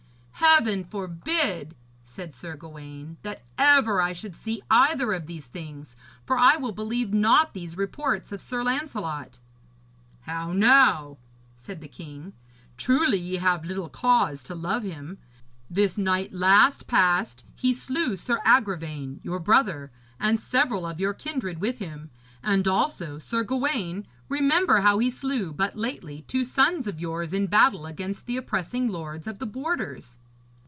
'Heaven forbid,' said Sir Gawaine, 'that ever I should see either of these things. For I will believe not these reports of Sir Lancelot.' 'How now?' said the king, 'truly ye have little cause to love him. This night last past he slew Sir Agravaine, your brother, and several of your kindred with him; and also, Sir Gawaine, remember how he slew but lately two sons of yours in battle against the oppressing lords of the borders.'